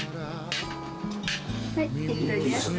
はい。